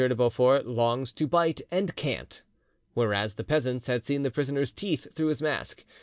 de Beaufort longs to bite and can't," whereas the peasants had seen the prisoner's teeth through his mask.